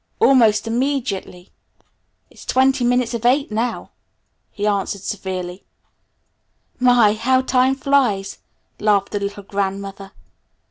Almost immediately: "It's twenty minutes of eight now!" he announced severely. "My, how time flies!" laughed the little grandmother.